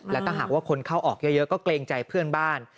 และถ้าหากว่าคนเข้าออกเยอะก็เกรงใจเพื่อนบ้าน